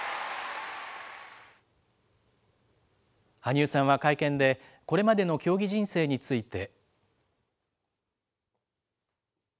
羽生さんは会見で、これまでの競技人生について。